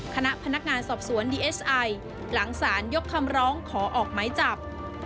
คณะพนักงานสอบสวนดีเอสไอหลังสารยกคำร้องขอออกไม้จับ